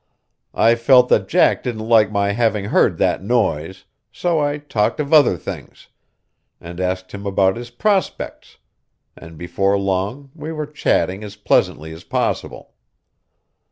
I felt that Jack didn't like my having heard that noise, so I talked of other things, and asked him about his prospects, and before long we were chatting as pleasantly as possible.